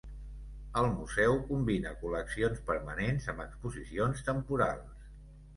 El museu combina col·leccions permanents amb exposicions temporals.